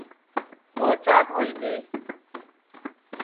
ٻو چاک ہوئی بھی